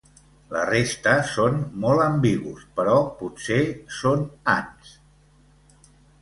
La resta són molt ambigus, però potser són ants.